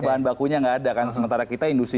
bahan bakunya nggak ada kan sementara kita industri